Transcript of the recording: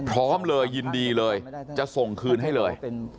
พร้อมเลยยินดีเลยจะส่งคืนให้เลย